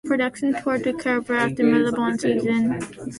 The production toured to Canberra after its Melbourne season.